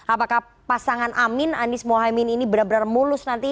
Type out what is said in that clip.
apakah pasangan amin anies mohaimin ini benar benar mulus nanti